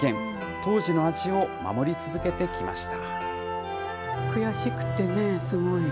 当時の味を守り続けてきました。